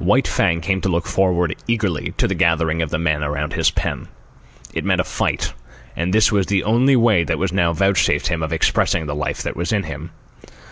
White Fang came to look forward eagerly to the gathering of the men around his pen. It meant a fight; and this was the only way that was now vouchsafed him of expressing the life that was in him.